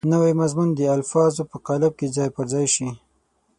نوی مضمون د الفاظو په قالب کې ځای پر ځای شي.